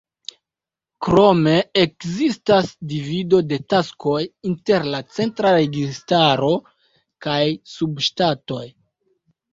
Krome, ekzistas divido de taskoj inter la centra registaro kaj la subŝtatoj.